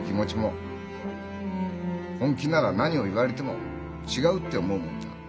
本気なら何を言われても「違う」って思うもんだ。